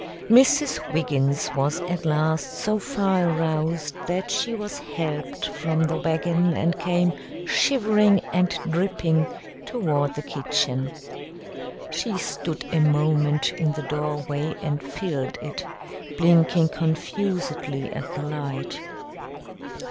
Mrs. Wiggins was at last so far aroused that she was helped from the wagon and came shivering and dripping toward the kitchen. She stood a moment in the doorway and filled it, blinking confusedly at the light.